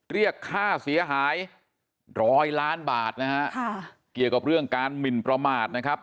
เรียกค่าเสียหายร้อยล้านบาทนะฮะค่ะเกี่ยวกับเรื่องการหมินประมาทนะครับ